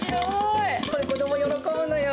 これ子供、喜ぶのよ。